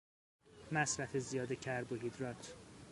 مصرف زیاد کربوهیدرات